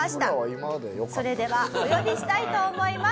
それではお呼びしたいと思います。